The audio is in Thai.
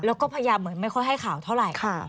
แล้วก็พยายามเหมือนไม่ค่อยให้ข่าวเท่าไหร่